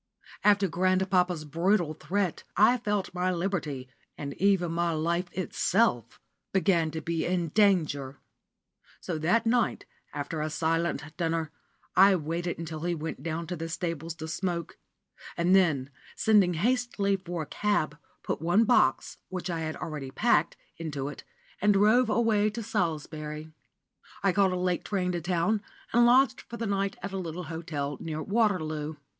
After grandpapa's brutal threat I felt my liberty, and even my life itself, began to be in danger; so that night, after a silent dinner, I waited until he went down to the stables to smoke, and then sending hastily for a cab, put one box, which I had already packed, into it, and drove away to Salisbury. I caught a late train to town, and lodged for the night at a little hotel near Waterloo.